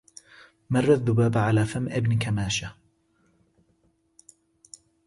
مر الذباب على فم ابن كماشة